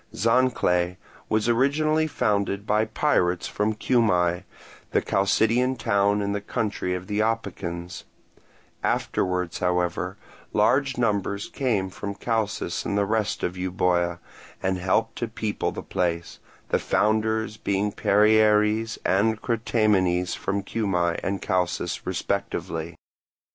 Zancle was originally founded by pirates from Cuma, the Chalcidian town in the country of the Opicans: afterwards, however, large numbers came from Chalcis and the rest of Euboea, and helped to people the place; the founders being Perieres and Crataemenes from Cuma and Chalcis respectively.